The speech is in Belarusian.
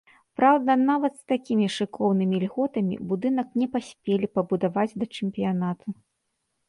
Праўда, нават з такімі шыкоўнымі льготамі будынак не паспелі пабудаваць да чэмпіянату.